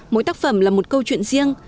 mỗi tác phẩm là một câu chuyện riêng